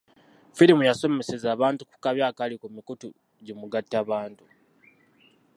Firimu yasomesezza abantu ku kabi akali ku mikutu gimugattabantu.